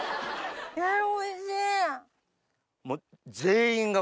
おいしい。